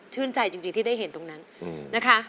ใจจริงที่ได้เห็นตรงนั้นนะคะ